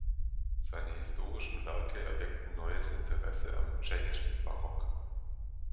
Seine historischen Werke erweckten neues Interesse am tschechischen Barock.